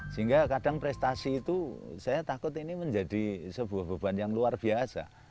sehingga kadang prestasi itu saya takut ini menjadi sebuah beban yang luar biasa